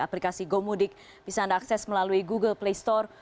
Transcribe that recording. aplikasi gomudik bisa anda akses melalui google play store